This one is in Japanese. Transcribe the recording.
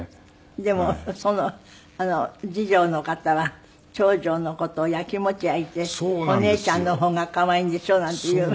でもその次女の方は長女の事をやきもち焼いて「お姉ちゃん方が可愛いんでしょ？」なんて言うんだって？